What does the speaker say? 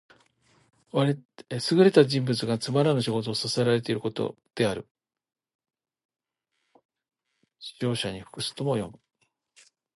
優れた人物がつまらぬ仕事をさせらていることである。「驥、塩車に服す」とも読む。